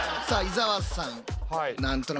さあ伊沢さん。